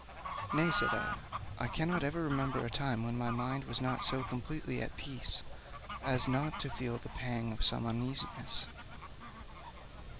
'Nay,' said I, 'I cannot ever remember a time when my mind was so completely at peace as not to feel the pang of some uneasiness.'